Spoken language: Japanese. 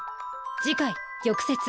次回「玉折」。